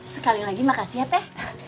sekali lagi makasih ya teh